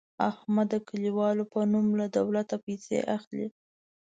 احمد د کلیوالو په نوم له دولته پیسې اخلي.